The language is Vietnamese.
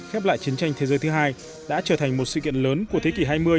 khép lại chiến tranh thế giới thứ hai đã trở thành một sự kiện lớn của thế kỷ hai mươi